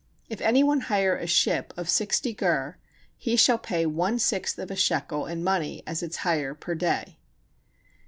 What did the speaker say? If any one hire a ship of sixty gur he shall pay one sixth of a shekel in money as its hire per day.